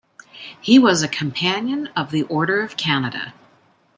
He was a Companion of the Order of Canada.